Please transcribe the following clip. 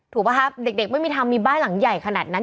ป่ะครับเด็กไม่มีทางมีบ้านหลังใหญ่ขนาดนั้น